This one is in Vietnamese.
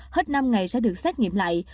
hết năm ngày sẽ được xét nghiệm lại